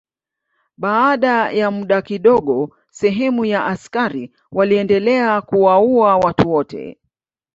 Baada ya muda kidogo sehemu ya askari waliendelea kuwaua watu wote.